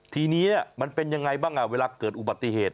ทีนี้มันเป็นยังไงบ้างเวลาเกิดอุบัติเหตุ